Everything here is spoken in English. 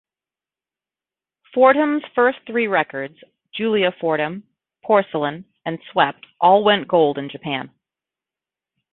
Fordham's first three records "Julia Fordham", "Porcelain" and "Swept" all went Gold in Japan.